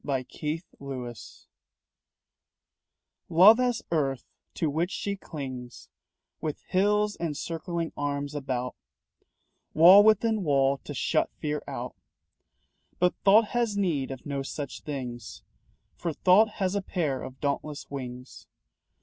BOND AND FREE Love has earth to which she clings With hills and circling arms about Wall within wall to shut fear out. But Thought has need of no such things, For Thought has a pair of dauntless wings.